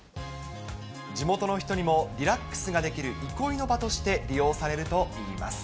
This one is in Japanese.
地元の人にもリラックスができる憩いの場として利用されるといいます。